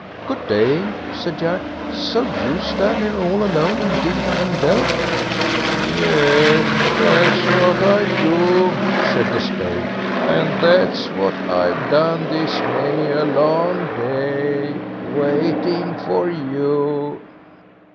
"Good day!" said Jack. "So you stand here all alone, and dig and delve!" "Yes, that's what I do", said the Spade, "and that's what I've done this many a long day, waiting for you."